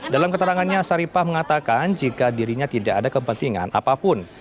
dalam keterangannya saripah mengatakan jika dirinya tidak ada kepentingan apapun